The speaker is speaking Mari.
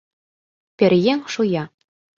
Пӧръеҥ шуя: